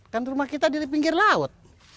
kan rumah kita di pinggir laut